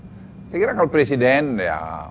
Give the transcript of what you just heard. saya kira kalau presiden ya